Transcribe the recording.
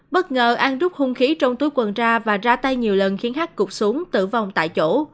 bất ngờ an rút hung khí trong túi quần ra và ra tay nhiều lần khiến h cụt xuống tử vong tại chỗ